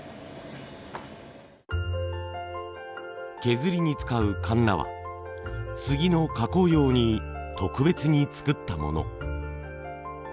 削りに使うカンナはスギの加工用に特別に作ったもの。